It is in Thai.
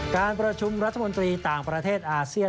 การประชุมรัฐมนตรีต่างประเทศอาเซียน